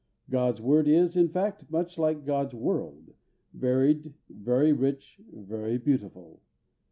God's Word is, in fact, much like God's world, varied, very rich, very beautiful.